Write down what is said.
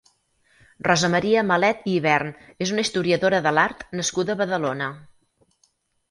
Rosa Maria Malet i Ybern és una historiadora de l'art nascuda a Badalona.